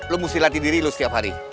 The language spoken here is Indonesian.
lo mesti latih diri lu setiap hari